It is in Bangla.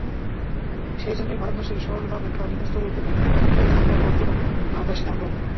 সেইজন্যই ভারতবর্ষে সর্বাপেক্ষা নিম্নস্তরের ব্যক্তিও ধর্মের মহত্তম ভাবরাশি ধারণ করে।